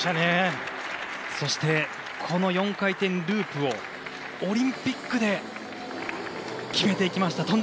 そして、４回転ループをオリンピックで決めていきました